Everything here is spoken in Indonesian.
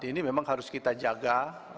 ini memang harus kita jaga